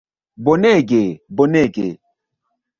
Bonege... bonege...